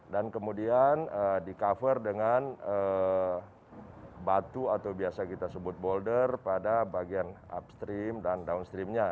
dan kemudian di cover dengan batu atau biasa kita sebut boulder pada bagian upstream dan downstreamnya